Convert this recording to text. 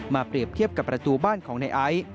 เปรียบเทียบกับประตูบ้านของในไอซ์